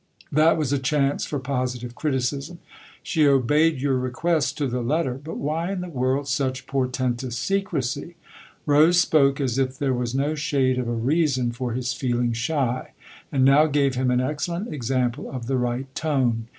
That was a chance for positive criticism. " She obeyed your request to the letter. But why in the world such portentous secrecy ?" Rose spoke as if there was no shade of a reason for his feeling shy, and now gave him an excellent example of the right tone.